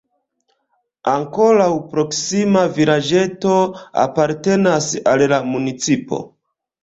Ankoraŭ proksima vilaĝeto apartenas al la municipo.